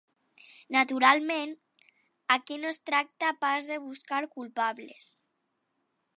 Naturalment, aquí no es tracta pas de buscar culpables.